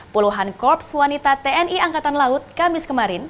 puluhan korps wanita tni angkatan laut kamis kemarin